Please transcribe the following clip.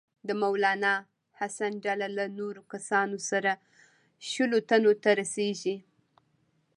د مولنا حسن ډله له نورو کسانو سره شلو تنو ته رسیږي.